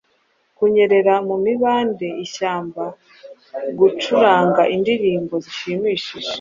Kunyerera mu mibande ishyamba Gucuranga indirimbo zishimishije,